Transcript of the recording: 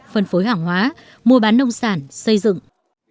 phân phối hàng hóa mua bán nông sản xây dựng